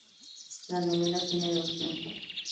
La novela tiene dos tiempos.